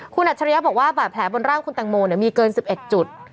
คุณอัจฉริยะบอกว่าบาดแผลบนร่างคุณแตงโมมีเกิน๑๑จุด